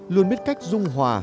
luôn biết cách dung hòa